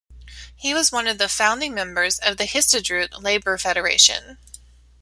He was one of the founding members of the Histadrut labor federation.